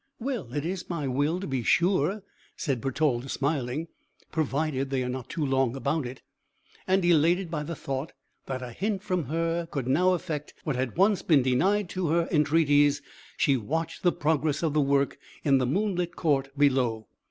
"Well, it is my will to be sure," said Bertalda, smiling, "provided they are not too long about it." And, elated by the thought that a hint from her could now effect what had once been denied to her entreaties, she watched the progress of the work in the moonlit court below.